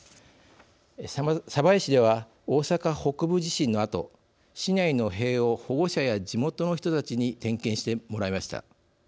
江市では大阪北部地震のあと市内の塀を保護者や地元の人たちに点検してもらいました。